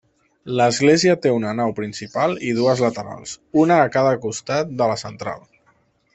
L'església té una nau principal i dues laterals -una a cada costat de la central-.